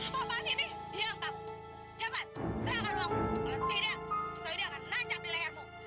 sampai jumpa di video selanjutnya